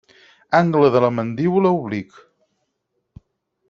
Angle de la mandíbula oblic.